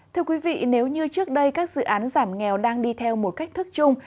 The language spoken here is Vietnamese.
thưa quý vị nếu như trước đây các dự án giảm nghèo đang đi theo một cách thức chung